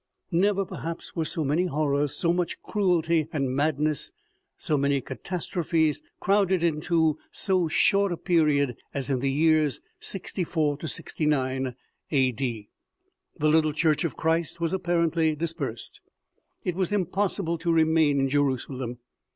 Never, perhaps, were so many horrors, so much cruelty and madness, so many catas trophes, crowded into so short a period as in the years 64 69 A.D. The little church of Christ was apparently dispersed. It was impossible to remain in Jerusalem.